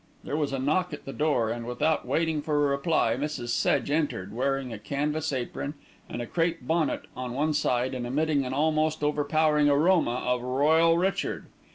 There was a knock at the door and, without waiting for a reply, Mrs. Sedge entered, wearing a canvas apron and a crape bonnet on one side and emitting an almost overpowering aroma of Royal Richard.